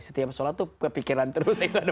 setiap sholat tuh kepikiran terus gimana